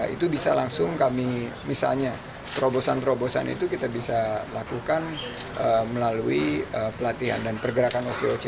itu bisa langsung kami misalnya terobosan terobosan itu kita bisa lakukan melalui pelatihan dan pergerakan okoc